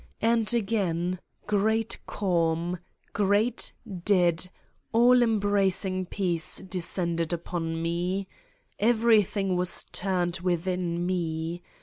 And again, great calm, great, dead, all embracing peace descended upon me. Everything was turned within Me.